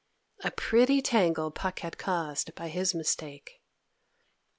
A pretty tangle Puck had caused by his mistake!